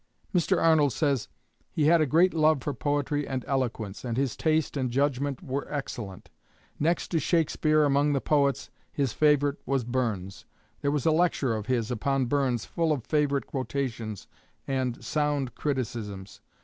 Mr. Arnold says: "He had a great love for poetry and eloquence, and his taste and judgment were excellent. Next to Shakespeare among the poets, his favorite was Burns. There was a lecture of his upon Burns full of favorite quotations and sound criticisms."